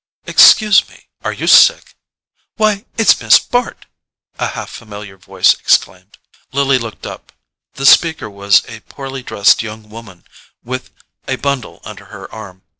"Excuse me—are you sick?—Why, it's Miss Bart!" a half familiar voice exclaimed. Lily looked up. The speaker was a poorly dressed young woman with a bundle under her arm.